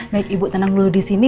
baik ibu tenang dulu disini